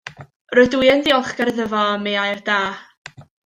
Rydw i yn ddiolchgar iddo fo am ei air da.